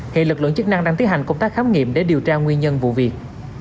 hiện lực lượng chức năng đang tiến hành công tác khám nghiệm để điều tra nguyên nhân vụ việc